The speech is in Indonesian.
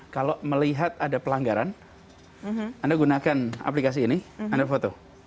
kalau melihat ada pelanggaran anda gunakan aplikasi ini anda foto